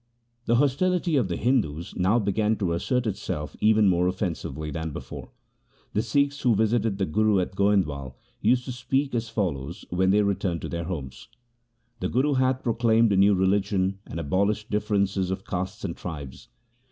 The hostility of the Hindus now began to assert itself even more offensively than before. The Sikhs who visited the Guru at Goindwal used to speak as follows when they returned to their homes :' The Guru hath proclaimed a new religion and abolished differences of castes and tribes.